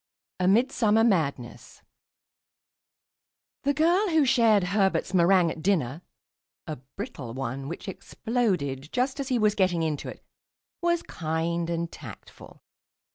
A MIDSUMMER MADNESS The girl who shared Herbert's meringue at dinner (a brittle one, which exploded just as he was getting into it) was kind and tactful.